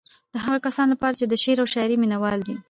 د هغو کسانو لپاره چې د شعر او شاعرۍ مينوال دي.